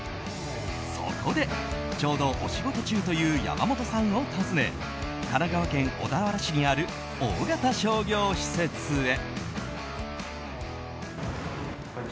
そこで、ちょうどお仕事中というやまもとさんを訪ね神奈川県小田原市にある大型商業施設へ。